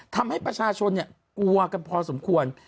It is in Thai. ทำให้ประชาชนกลัวกันพอสมควร